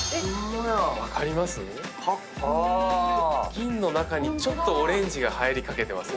銀の中にちょっとオレンジが入りかけてますよね。